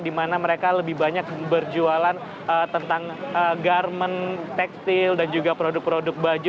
di mana mereka lebih banyak berjualan tentang garmen tekstil dan juga produk produk baju